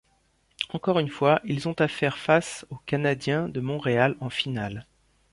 Encore une fois, ils ont à faire face aux Canadiens de Montréal en finale.